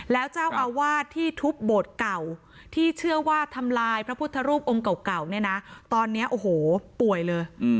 แล้วเจ้าอาวาสที่ทุบโบสถ์เก่าที่เชื่อว่าทำลายพระพุทธรูปองค์เก่าเนี่ยนะตอนนี้โอ้โหป่วยเลย